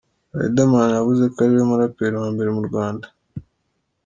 Riderman yavuze ko ari we muraperi wa mbere mu Rwanda.